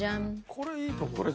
これいいと思う。